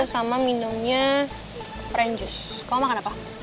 sama minumnya peren jus kau mau makan apa